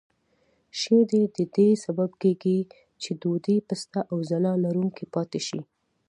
شیدې د دې سبب کېږي چې ډوډۍ پسته او ځلا لرونکې پاتې شي.